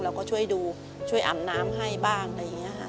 เราก็ช่วยดูช่วยอาบน้ำให้บ้างอะไรอย่างนี้ค่ะ